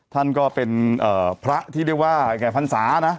ท่านก็เป็นพระที่เรียกว่าไงฟันสานะ